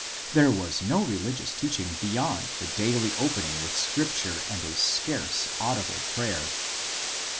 There was no religious teaching beyond the daily opening with scripture and a scarce audible prayer.